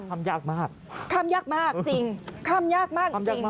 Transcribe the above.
ทำยากมากทำยากมากจริงทำยากมาก